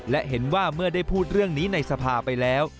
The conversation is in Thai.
และเห็นว่าเมื่อได้พูดเรื่องนี้ในสภาไปแล้ว